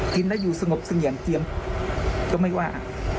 กินแล้วอยู่สงบเสงี่ยมเจียมก็ไม่ว่า